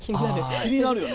気になるよね